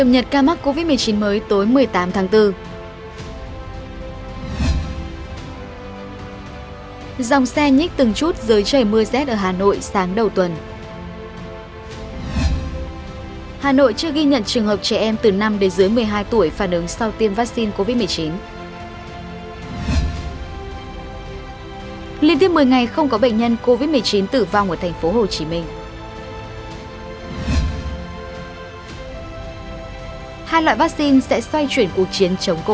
hãy đăng ký kênh để ủng hộ kênh của chúng mình nhé